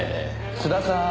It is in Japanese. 津田さん